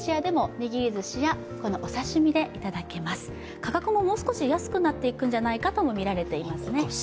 価格ももう少し安くなっていくんじゃないかと見られています。